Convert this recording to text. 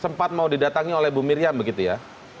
sempat mau didatangi oleh bu miriam begitu ya